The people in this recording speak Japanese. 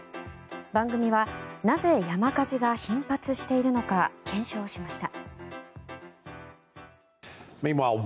番組はなぜ、山火事が頻発しているのか検証しました。